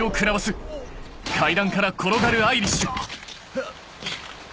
あっ！